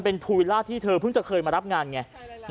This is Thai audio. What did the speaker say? เป็นภูวิลล่าที่เธอเพิ่งจะเคยมารับงานไง